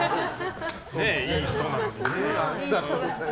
いい人なのにね。